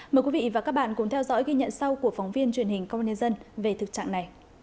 mời quý vị và các bạn cùng theo dõi ghi nhận sau của phóng viên truyền hình công an nhân dân về thực trạng này